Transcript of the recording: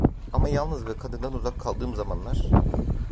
Ama yalnız ve kadından uzak kaldığım zamanlar…